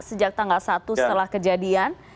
sejak tanggal satu setelah kejadian